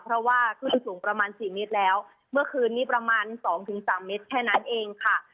เพราะว่าคลื่นสูงประมาณสี่เมตรแล้วเมื่อคืนนี้ประมาณสองถึงสามเมตรแค่นั้นเองค่ะ